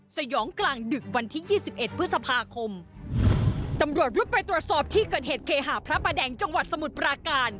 สยองกลางดึกวันที่ยี่สิบเอ็ดพฤษภาคมตำรวจรุดไปตรวจสอบที่เกิดเหตุเคหาพระประแดงจังหวัดสมุทรปราการ